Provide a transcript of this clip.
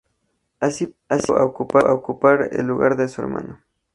Así pasó a ocupar el lugar de su hermano.